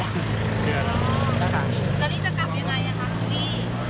อ๋อแล้วจะกลับยังไงอ่ะครับพี่